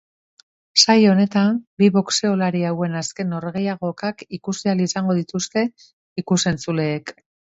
Saio honetan, bi boxeolari hauen azken norgehiagokak ikusi ahal izango dituzte ikus-entzuleek.